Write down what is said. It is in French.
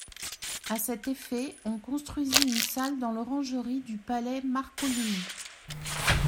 À cet effet on construisit une salle dans l'orangerie du palais Marcolini.